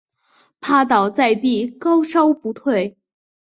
趴倒在地高烧不退